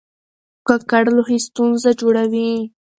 ککړ لوښي ستونزه جوړوي.